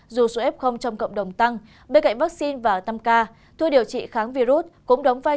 dù số f trong cộng đồng tăng bên cạnh vaccine và tăng ca thuốc điều trị kháng virus cũng đóng vai